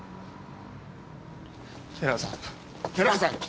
寺さん寺さん！